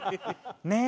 ねえ。